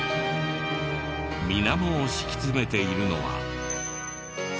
みなもを敷き詰めているのは。